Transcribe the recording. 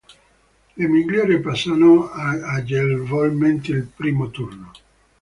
Le migliori passano agevolmente il primo turno.